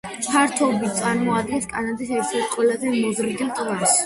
ფართობით წარმოადგენს კანადის ერთ-ერთ ყველაზე მოზრდილ ტბას.